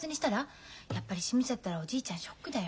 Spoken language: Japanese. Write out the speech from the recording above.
やっぱり閉めちゃったらおじいちゃんショックだよ。